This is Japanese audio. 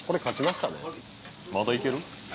まだいける？